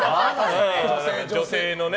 女性のね。